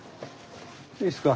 いいすか。